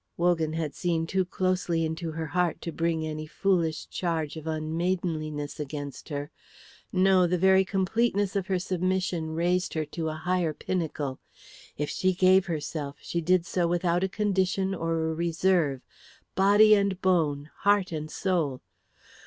Wogan had seen too closely into her heart to bring any foolish charge of unmaidenliness against her. No, the very completeness of her submission raised her to a higher pinnacle. If she gave herself, she did so without a condition or a reserve, body and bone, heart and soul.